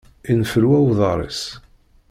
Infelwa uḍaṛ-is.